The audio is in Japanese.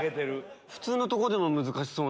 普通のとこでも難しそう。